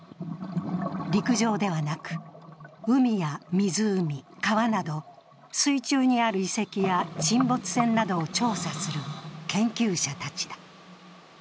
陸上ではなく、海や湖、川など、水中にある遺跡や沈没船などを調査する研究者たちだ。